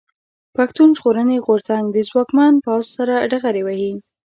پښتون ژغورني غورځنګ د ځواکمن پوځ سره ډغرې وهي.